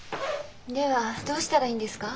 ではどうしたらいいんですか？